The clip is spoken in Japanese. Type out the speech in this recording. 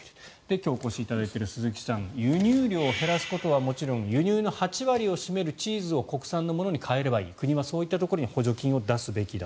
今日お越しいただいている鈴木さん輸入量を減らすことはもちろん輸入の８割を占めるチーズを国産のものに代えればいい国はそういったところに補助金を出すべきだ。